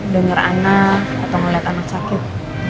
dengar anak atau ngeliat anak sakit